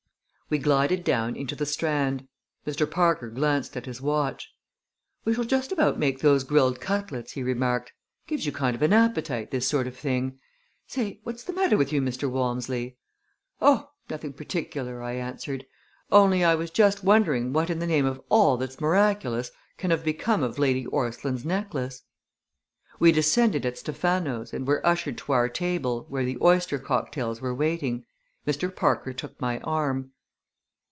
We glided down into the Strand. Mr. Parker glanced at his watch. "We shall just about make those grilled cutlets," he remarked. "Gives you kind of an appetite this sort of thing! Say, what's the matter with you, Mr. Walmsley?" "Oh, nothing particular!" I answered. "Only I was just wondering what in the name of all that's miraculous can have become of Lady Orstline's necklace!" We descended at Stephano's and were ushered to our table, where the oyster cocktails were waiting. Mr. Parker took my arm.